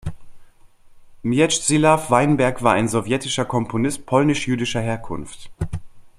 Mieczyslaw Weinberg war ein sowjetischer Komponist polnisch-jüdischer Herkunft.